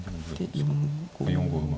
４五馬。